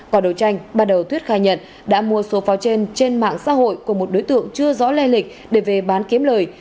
quả đấu tranh bắt đầu thuyết khai nhận đã mua số pháo trên trên mạng xã hội của một đối tượng chưa rõ le lịch để về bán kiếm lời